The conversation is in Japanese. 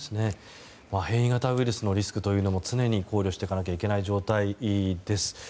変異ウイルスのリスクというのも常に考慮していかなきゃいけない状態です。